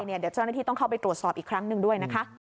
เดี๋ยวเจ้าหน้าที่ต้องเข้าไปตรวจสอบอีกครั้งหนึ่งด้วยนะคะ